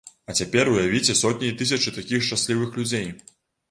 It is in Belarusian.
А цяпер уявіце сотні і тысячы такіх шчаслівых людзей.